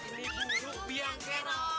ini bulu biang kerok